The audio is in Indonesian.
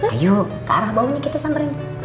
ayo ke arah bau kita sambil merinding